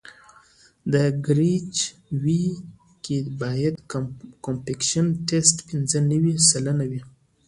په کیریج وې کې باید کمپکشن ټسټ پینځه نوي سلنه وي